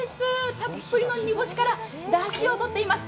たっぷりの煮干しからだしをとっています。